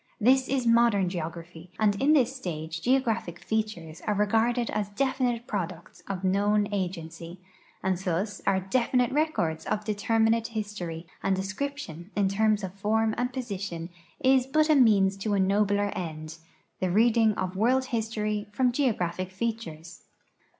This is modern geogra])h\"; and in this stage geographic features are regarded as definite products of known agency , and thus as definite records ot'determinate history, and de scription in terms of form and position is but a means to a nobler end, the reading of world history from geographic features.